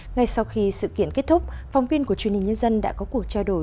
ngay sau khi sự kiện kết thúc phóng viên của truyền hình nhân dân đã có cuộc trao đổi